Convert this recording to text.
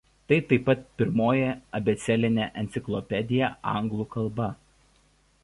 Tai taip pat pirmoji abėcėlinė enciklopedija anglų kalba.